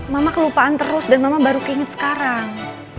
mama kelupaan terus dan mama baru keinget sekarang